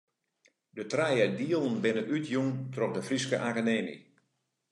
De trije dielen binne útjûn troch de Fryske Akademy.